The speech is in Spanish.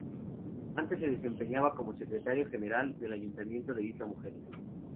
Antes se desempeñaba como Secretario General del Ayuntamiento de Isla Mujeres.